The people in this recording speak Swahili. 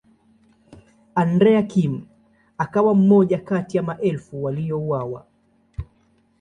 Andrea Kim akawa mmoja kati ya maelfu waliouawa.